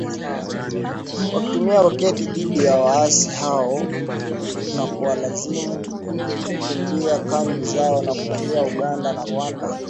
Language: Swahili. wakitumia roketi dhidi ya waasi hao na kuwalazimu kukimbia kambi zao na kuingia Uganda na Rwanda